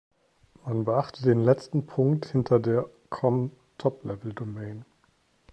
Man beachte den letzten Punkt hinter der „com“ Top-Level-Domain.